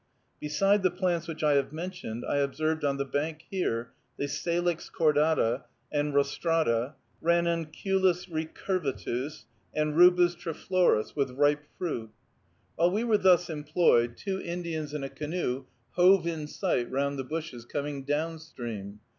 Beside the plants which I have mentioned, I observed on the bank here the Salix cordata and rostrata, Ranunculus recurvatus, and Rubus triflorus with ripe fruit. While we were thus employed, two Indians in a canoe hove in sight round the bushes, coming down stream.